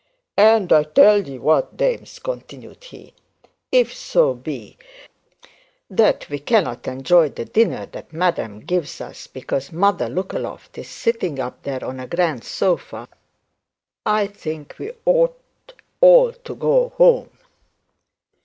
'And I'll tell 'ee what, dames,' continued he; 'if so be that we cannot enjoy the dinner that madam gives us because Mother Lookaloft is sitting up there on a grand sofa, I think we ought all to go home.